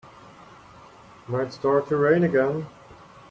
Might start to rain again.